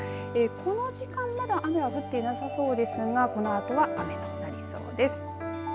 この時間、まだ雨は降っていなさそうですがこのあとは雨となりそうです。